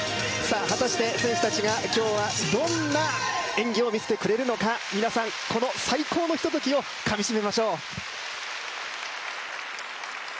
果たして選手たちが今日はどんな演技を見せてくれるのか、皆さん、この最高のひとときをかみしめましょう。